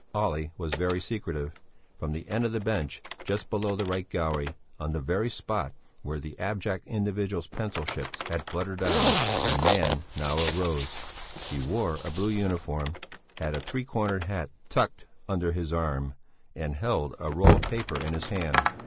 Olle was very secretive. From the end of the bench, just below the right gallery, on the very spot where the abject individual's pencil chips had fluttered down, a man now arose. He wore a blue uniform, had a three cornered hat tucked under his arm and held a roll of paper in his hand.